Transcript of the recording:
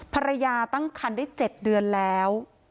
ภรรยาตั้งคันได้๗เดือนแล้ว